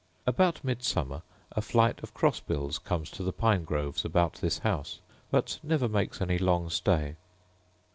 About Midsummer a flight of cross bills comes to the pine groves about this house, but never makes any long stay.